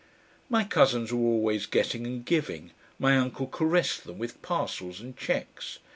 My cousins were always getting and giving, my uncle caressed them with parcels and cheques.